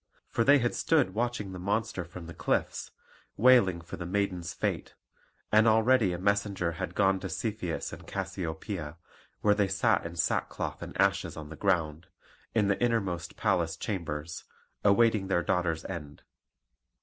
For they had stood watching the monster from the cliffs, wailing for the maiden's fate. And already a messenger had gone to Cepheus and Cassiopoeia, where they sat in sackcloth and ashes on the ground, in the innermost palace chambers, awaiting their daughter's end.